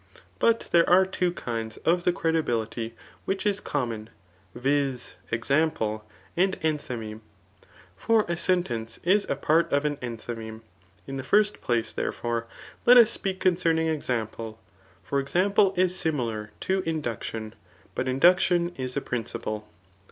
But there are two kinds of the credibility which is common, viz. ex ample and enthymeme ; for a sentence is a part of an enthymeme. In the first place, therefore, let us speak concerning example ; for example is similar to induc tion } but induction is a principle.'